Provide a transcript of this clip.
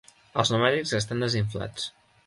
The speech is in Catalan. Els pneumàtics estan desinflats.